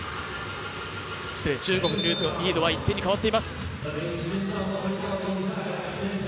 中国のリードは１点に変わっています。